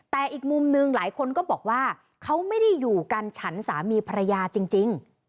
แต่อีกมุมหนึ่งหลายคนก็บอกว่าเขาไม่ได้อยู่กันฉันสามีภรรยาจริง